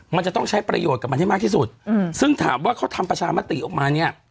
มันจะต้องใช้ประโยชน์กับมันให้มากที่สุดซึ่งถามว่าเขาทำประชามติออกมาเนี่ย